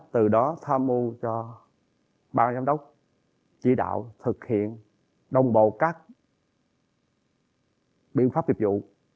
từ đó tham mưu cho ban giám đốc chỉ đạo thực hiện đồng bộ các biện pháp dịch vụ